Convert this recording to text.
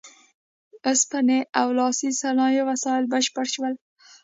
اوسپنې او لاسي صنایعو وسایل بشپړ شول.